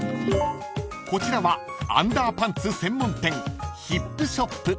［こちらはアンダーパンツ専門店］